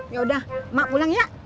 yaudah mak mulang ya